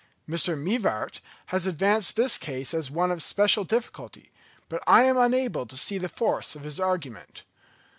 Mr. Mivart has advanced this case as one of special difficulty, but I am unable to see the force of his argument.